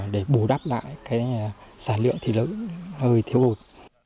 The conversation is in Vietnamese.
để bù đắp lại sản lượng thị lưỡng hơi thiếu hụt